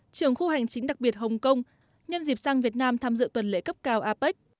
trưởng khu hành chính đặc biệt hồng kông nhân dịp sang việt nam tham dự tuần lễ cấp cao apec